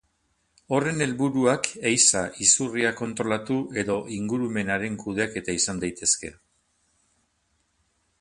Horren helburuak ehiza, izurriak kontrolatu edo ingurumenaren kudeaketa izan daitezke.